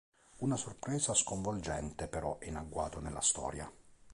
Una sorpresa sconvolgente però è in agguato nella storia.